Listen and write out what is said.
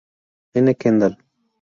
N. Kendall.